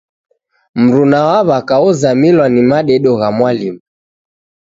Mruna wa w'aka ozamilwa ni madedo gha mwalimu.